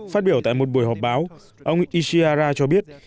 phát biểu tại một buổi họp báo ông ishia cho biết